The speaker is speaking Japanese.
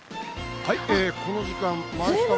この時間、マイスタ前。